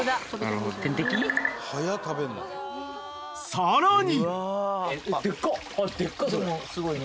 ［さらに］